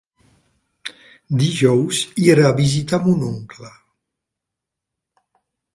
Dijous irà a visitar mon oncle.